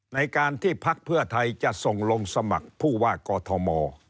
ในการที่พักเพื่อไทยจะส่งลงสมัครผู้ว่ากอทม